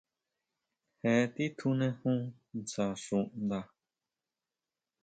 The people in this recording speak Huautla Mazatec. Je titjunejun ntsja xuʼnda.